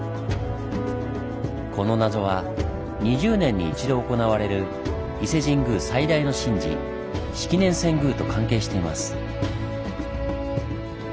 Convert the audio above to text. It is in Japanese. この謎は２０年に一度行われる伊勢神宮最大の神事「式年遷宮」と関係しています。